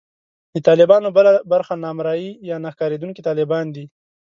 د طالبانو بله برخه نامرئي یا نه ښکارېدونکي طالبان دي